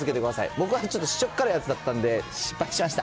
僕はちょっと塩っ辛いやつだったんで、失敗しました。